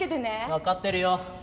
分かってるよ。